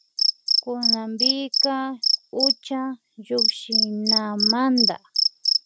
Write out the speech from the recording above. Kunanpika ucha llukshinamanda